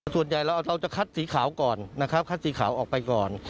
ส่วนใหญ่เราจะคัดสีขาวก่อนนะครับคัดสีขาวออกไปก่อน